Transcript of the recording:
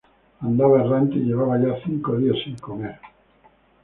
Andaba errante y llevaba ya cinco días sin comer.